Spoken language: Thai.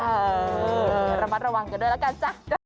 เออระวังด้วยแล้วกันจ๊ะ